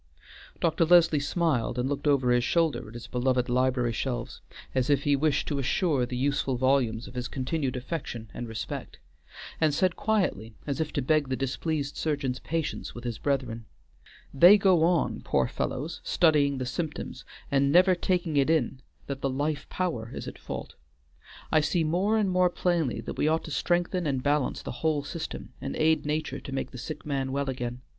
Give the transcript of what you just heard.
Dr. Leslie smiled, and looked over his shoulder at his beloved library shelves, as if he wished to assure the useful volumes of his continued affection and respect, and said quietly, as if to beg the displeased surgeon's patience with his brethren: "They go on, poor fellows, studying the symptoms and never taking it in that the life power is at fault. I see more and more plainly that we ought to strengthen and balance the whole system, and aid nature to make the sick man well again.